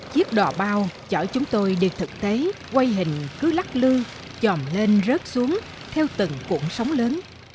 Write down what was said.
chiếc đò bao chở chúng tôi đi thực tế quay hình cứ lắc lư chòm lên rớt xuống theo từng cuộn sóng lớn